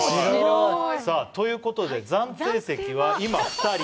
さあということで暫定席は今２人。